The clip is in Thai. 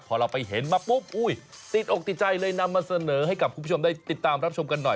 พอเราไปเห็นมาปุ๊บอุ้ยติดอกติดใจเลยนำมาเสนอให้กับคุณผู้ชมได้ติดตามรับชมกันหน่อย